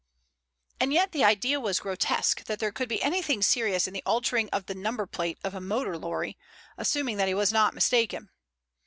And yet the idea was grotesque that there could be anything serious in the altering of the number plate of a motor lorry, assuming that he was not mistaken.